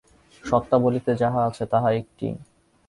সত্তা বলিতে যাহা আছে, তাহা একটি-ই।